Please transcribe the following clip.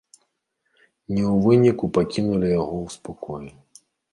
Ну і ў выніку пакінулі яго ў спакоі.